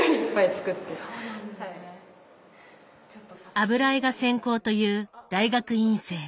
油絵が専攻という大学院生。